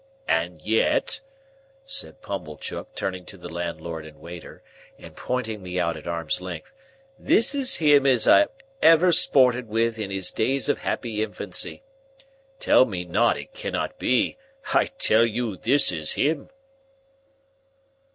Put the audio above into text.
And yet," said Pumblechook, turning to the landlord and waiter, and pointing me out at arm's length, "this is him as I ever sported with in his days of happy infancy! Tell me not it cannot be; I tell you this is him!"